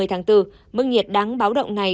trong thời tiết mức nhiệt đáng báo động này